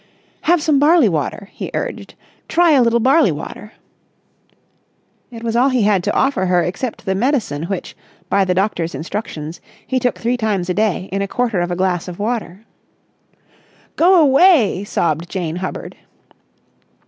"Have some barley water," he urged. "Try a little barley water." It was all he had to offer her except the medicine which, by the doctor's instructions, he took three times a day in a quarter of a glass of water. "Go away!" sobbed Jane Hubbard.